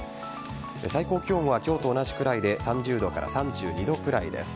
最高気温は今日と同じくらいで３０度から３２度くらいです。